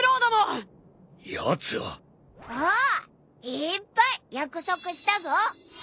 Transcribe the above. いーっぱい約束したぞ！